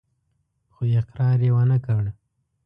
خو اقرار يې ونه کړ.